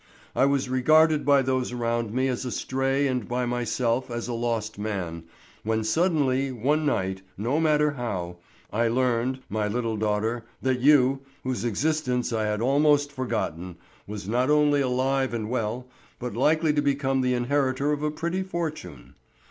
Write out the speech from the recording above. I was regarded by those around me as a stray and by myself as a lost man, when suddenly one night, no matter how, I learned, my little daughter, that you, whose existence I had almost forgotten, was not only alive and well, but likely to become the inheritor of a pretty fortune.